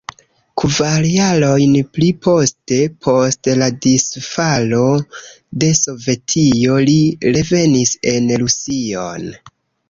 Kvar jarojn pliposte, post la disfalo de Sovetio, li revenis en Rusion.